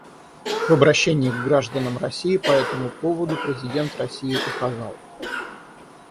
В обращении к гражданам России по этому поводу президент России указал: